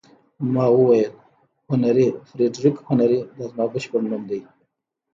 ما وویل: هنري، فرېډریک هنري، دا زما بشپړ نوم دی.